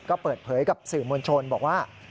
ก็เปิดเผยกับสื่อมวลชนบอกว่า